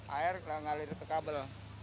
air ngalir ke kabel